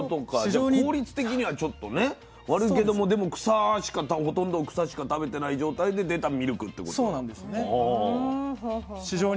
じゃ効率的にはちょっとね悪いけどもでもほとんど草しか食べてない状態で出たミルクってことだ。